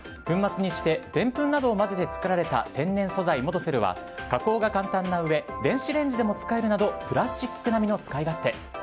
粉末にしてでんぷんなどを混ぜて作られた天然素材のモドセルは加工が簡単なうえ電子レンジでも使えるなどプラスチック並みの使い勝手。